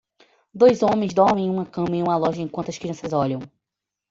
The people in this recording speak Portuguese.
Dois homens dormem em uma cama em uma loja enquanto as crianças olham.